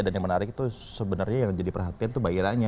dan yang menarik itu sebenernya yang jadi perhatian tuh mbak ira nya